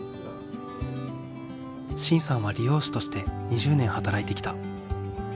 真さんは理容師として２０年働いてきた。